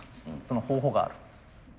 その方法がある。